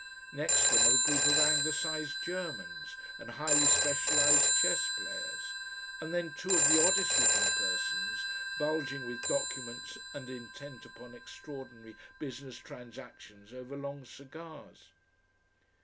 Next them are a group of anglicised Germans and highly specialised chess players, and then two of the oddest looking persons bulging with documents and intent upon extraordinary business transactions over long cigars....